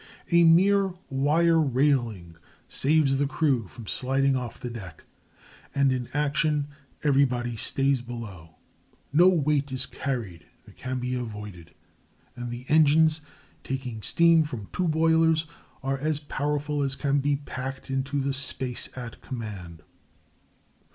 A mere wire railing saves the crew from sliding off the deck, and in action everybody stays below. No weight is carried that can be avoided, and the engines, taking steam from two boilers, are as powerful as can be packed into the space at command.